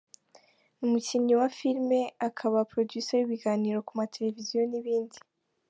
Ni umukinnyi wa filimi akaba producer w’ibiganiro ku mateleviziyo n’ibindi.